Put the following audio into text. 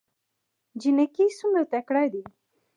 جينکۍ څومره تکړه دي